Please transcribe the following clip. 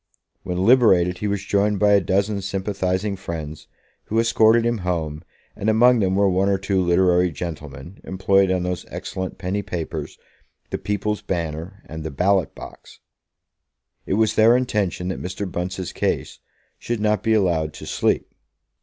When liberated, he was joined by a dozen sympathising friends, who escorted him home, and among them were one or two literary gentlemen, employed on those excellent penny papers, the People's Banner and the Ballot box. It was their intention that Mr. Bunce's case should not be allowed to sleep.